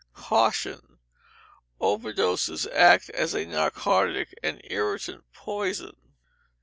Caution. Overdoses act as a narcotic and irritant poison.